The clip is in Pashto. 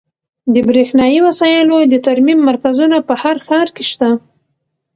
د برښنایي وسایلو د ترمیم مرکزونه په هر ښار کې شته.